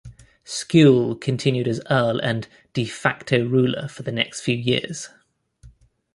Skule continued as earl and "de facto" ruler for the next few years.